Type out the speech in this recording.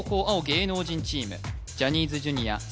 芸能人チームジャニーズＪｒ．７ＭＥＮ